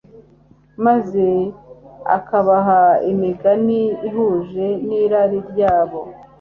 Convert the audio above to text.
maze akabaha imigani ihuje n'irari ryabo.